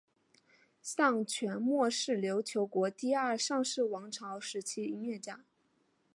向全谟是琉球国第二尚氏王朝时期的音乐家。